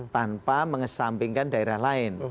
tanpa mengesampingkan daerah lain